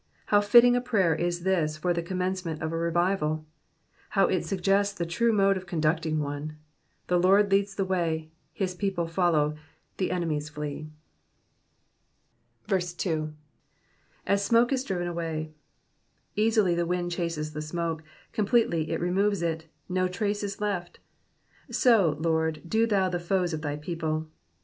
How fitting a prayer is this for the commencement of a revival I How it suggests the true mode of conducting one :— the Lord leads the way, his people follow, the enemies flee. Digitized by VjOOQIC PSALM THE SIXTY EIGHTH. 215 2. *M« amohe u dHven away,'''* Easily the "wind chases the smoke, com pletely it removes it, no trace is left ; so, Lord, do thou to the foes of thy people.